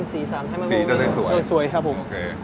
เนยครับผม